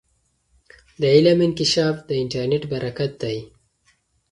د علم انکشاف د انټرنیټ برکت دی.